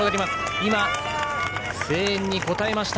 今、声援に応えました。